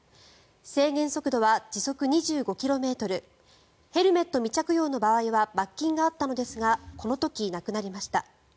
制限速度は時速２５ｋｍヘルメット未着用の場合は罰金があったのですがこの時、なくなりました。